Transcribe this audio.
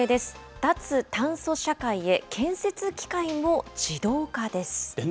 脱炭素社会へ、建設機械も自動化です。